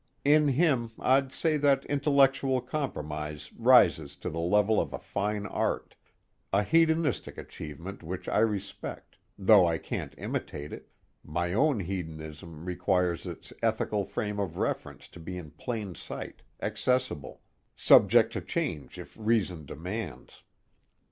In him, I'd say that intellectual compromise rises to the level of a fine art, a hedonistic achievement which I respect, though I can't imitate it my own hedonism requires its ethical frame of reference to be in plain sight, accessible, subject to change if reason demands.